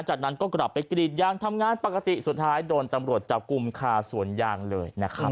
จากนั้นก็กลับไปกรีดยางทำงานปกติสุดท้ายโดนตำรวจจับกลุ่มคาสวนยางเลยนะครับ